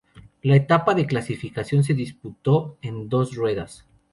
La etapa de clasificación se disputó en dos ruedas.